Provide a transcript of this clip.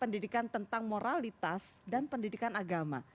pendidikan tentang moralitas dan pendidikan agama